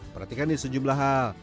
perhatikan nih sejumlah hal